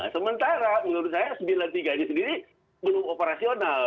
sementara menurut saya sembilan puluh tiga ini sendiri belum operasional